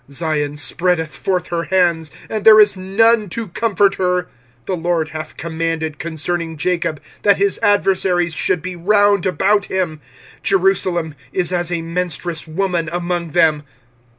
25:001:017 Zion spreadeth forth her hands, and there is none to comfort her: the LORD hath commanded concerning Jacob, that his adversaries should be round about him: Jerusalem is as a menstruous woman among them.